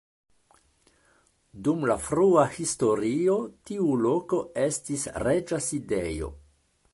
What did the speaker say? Dum la frua historio tiu loko estis reĝa sidejo.